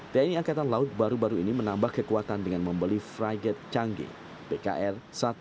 tni angkatan laut baru baru ini menambah kekuatan dengan membeli frigate canggih pkr sepuluh ribu lima ratus empat belas